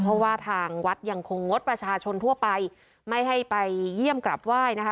เพราะว่าทางวัดยังคงงดประชาชนทั่วไปไม่ให้ไปเยี่ยมกลับไหว้นะคะ